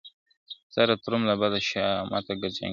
ستا د تروم له بد شامته جنګېدله ,